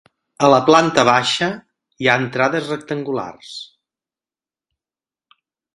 A la planta baixa hi ha entrades rectangulars.